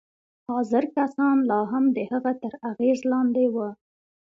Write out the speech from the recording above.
حاضر کسان لا هم د هغه تر اغېز لاندې وو